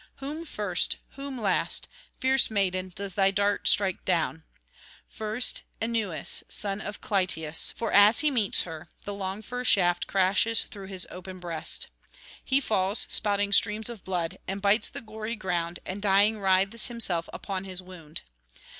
Whom first, whom last, fierce maiden, does thy dart strike down? First Euneus, son of Clytius; for as he meets her the long fir shaft crashes through his open breast. He falls spouting streams of blood, and bites the gory ground, and dying writhes himself upon his wound.